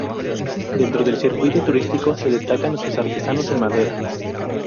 Dentro del circuito turístico se destacan sus artesanos en madera.